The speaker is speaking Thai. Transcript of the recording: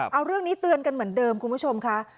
เอาเรื่องนี้เตือนกันเหมือนเดิมคุณผู้ชมค่ะ